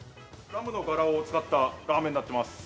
ラムのガラを使ったラーメンになっています。